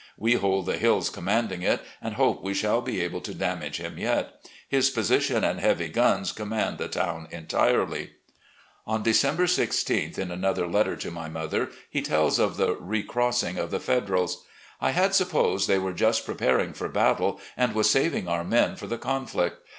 We hold the hills commanding it, and hope we shall be able to damage him yet. His position and heavy guns command the town entirely." On December i6th, in another letter to my mother, he tells of the recrossing of the Federals :" I had supposed they were just preparing for battle, and was saving ottr men for the conflict.